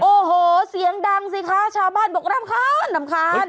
โอ้โหเสียงดังสิคะชาวบ้านบอกรำคาญรำคาญ